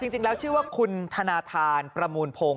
จริงแล้วชื่อว่าคุณธนาธานประมูลพงศ